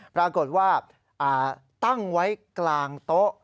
ปรากฏว่าตั้งไว้กลางโต๊ะ